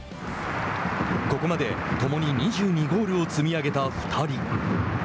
ここまで、ともに２２ゴールを積み上げた２人。